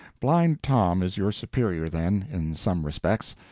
Blind Tom is your superior, then, in some respects.